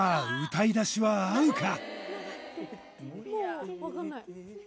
歌い出しは合うか？